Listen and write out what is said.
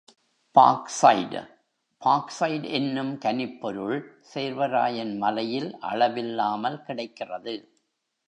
Bauxite bauxite என்னும் கனிப் பொருள் சேர்வராயன் மலையில் அளவில்லாமல் கிடைக்கிறது.